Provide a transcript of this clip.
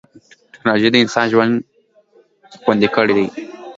ټکنالوجي د انسان ژوند خوندي کړی دی.